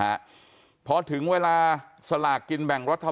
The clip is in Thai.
ความปลอดภัยของนายอภิรักษ์และครอบครัวด้วยซ้ำ